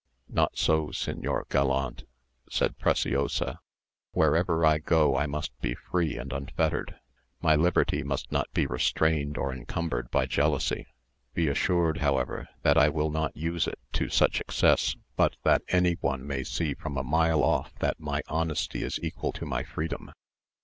"Not so, señor gallant," said Preciosa: "wherever I go I must be free and unfettered; my liberty must not be restrained or encumbered by jealousy. Be assured, however, that I will not use it to such excess, but that any one may see from a mile off that my honesty is equal to my freedom.